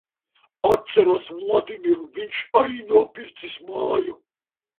Atceros Vladimiru, viņš arī nopircis māju.